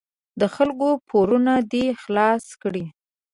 د خلکو پورونه دې خلاص کړي.